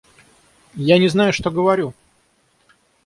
Я не знаю, что говорю!